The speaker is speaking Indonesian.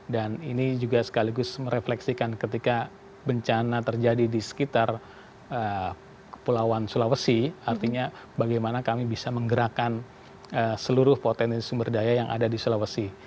dan ini juga sekaligus merefleksikan ketika bencana terjadi di sekitar pulauan sulawesi artinya bagaimana kami bisa menggerakkan seluruh potensi sumber daya yang ada di sulawesi